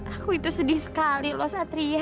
aku itu sedih sekali loh satria